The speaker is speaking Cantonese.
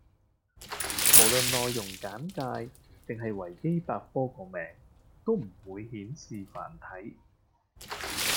無論內容簡介定係維基百科個名都唔會顯示繁體